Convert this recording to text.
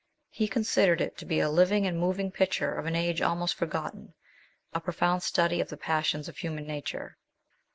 He considered it to be a " living and moving picture of an age almost forgotten, a profound study of the passions of human nature."